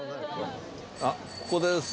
あっここです。